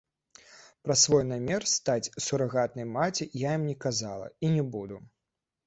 Пра свой намер стаць сурагатнай маці я ім не казала, і не буду.